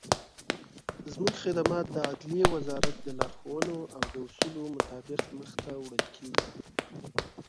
زموږخدمات دعدلیي وزارت دلارښووني او داصولو مطابق مخته وړل کیږي.